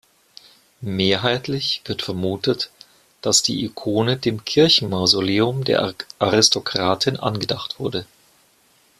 Mehrheitlich wird vermutet, dass die Ikone dem Kirchen-Mausoleum der Aristokratin angedacht wurde.